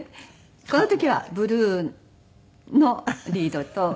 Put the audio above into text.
この時はブルーのリードと私の。